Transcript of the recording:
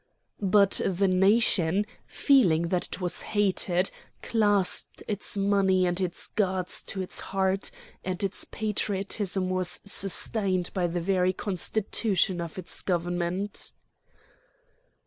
But the nation, feeling that it was hated, clasped its money and its gods to its heart, and its patriotism was sustained by the very constitution of its government.